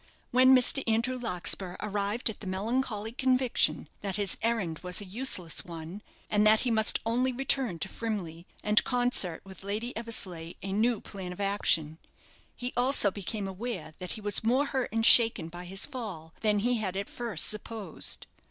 When Mr. Andrew Larkspur arrived at the melancholy conviction that his errand was a useless one, and that he must only return to Frimley, and concert with Lady Eversleigh a new plan of action, he also became aware that he was more hurt and shaken by his fall than he had at first supposed.